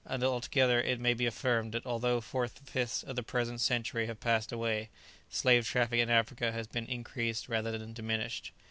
Altogether it may be affirmed, that although four fifths of the present century have passed away, slave traffic in Africa has been increased rather than diminished.